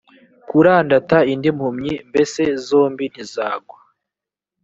kurandata indi mpumyi mbese zombi ntizagwa